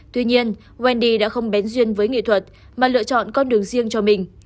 tuy nhiên wendy đã không bén duyên với nghệ thuật mà lựa chọn con đường riêng cho mình